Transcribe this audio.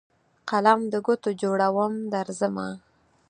قلم دګوټو جوړوم درځمه